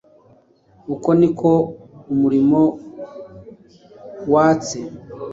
Uko ni ko umurimo watse